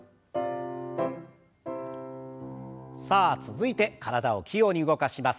さあ続いて体を器用に動かします。